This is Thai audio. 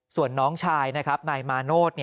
ส่วนน้องชายนายมาโนธ